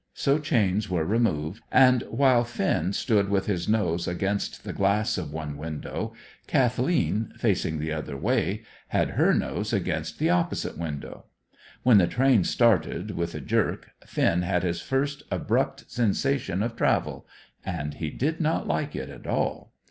So chains were removed, and while Finn stood with his nose against the glass of one window, Kathleen, facing the other way, had her nose against the opposite window. When the train started, with a jerk, Finn had his first abrupt sensation of travel, and he did not like it at all.